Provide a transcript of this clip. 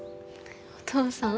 お父さん？